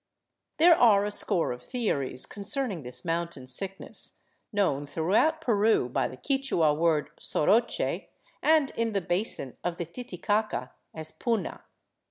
There are a score of theories concerning this mountain sickness, known throughout Peru by the Quichua word soroche and in the basin of the Titicaca as puna.